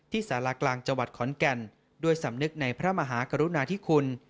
สารากลางจังหวัดขอนแก่นด้วยสำนึกในพระมหากรุณาธิคุณ